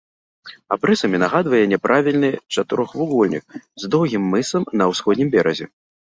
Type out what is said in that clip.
Абрысамі нагадвае няправільны чатырохвугольнік з доўгім мысам на ўсходнім беразе.